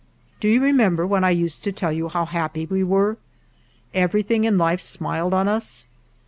Do you remember when I used to tell you how happy we were ? Everything in life smiled on us.